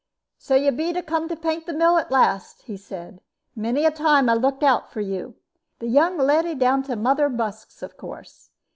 "So you be come to paint the mill at last," he said. "Many a time I've looked out for you. The young leddy down to Mother Busk's, of course.